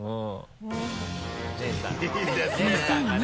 いいですね